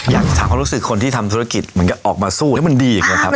อย่างสั่งมารู้สึกคนที่ทำธุรกิจเหมือนกับออกมาสู้มันดีครับ